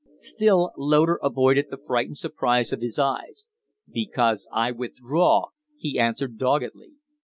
Still Loder avoided the frightened surprise of his, eyes. "Because I withdraw," he answered, doggedly.